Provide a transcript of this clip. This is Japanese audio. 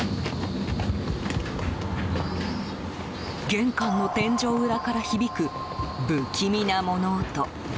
玄関の天井裏から響く不気味な物音。